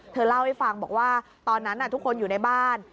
เธอเล่าให้ฟังบอกว่าตอนนั้นทุกคนอยู่ในบ้าน